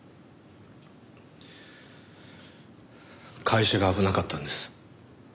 会社が危なかったんです。